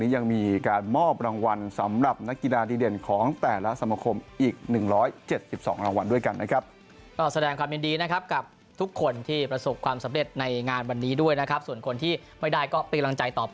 ยังมอบรางวัลสำหรับนักกีฬาทีเด่นของแต่ละสรรคม๑๗๒รางวัล